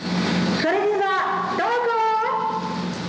それでは、どうぞ。